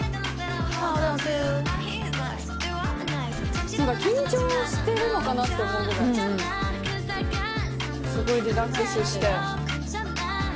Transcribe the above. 「ｈｏｌｄｏｎｔｏ」なんか緊張してるのかなって思うぐらいすごいリラックスして。